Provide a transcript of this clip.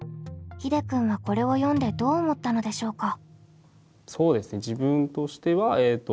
ひでくんはこれを読んでどう思ったのでしょうか。